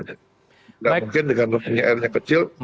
mungkin dengan lengkungnya r nya kecil